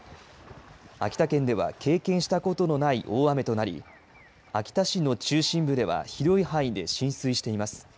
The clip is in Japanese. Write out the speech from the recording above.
秋田県では経験したことのない大雨となり秋田市の中心部では広い範囲で浸水しています。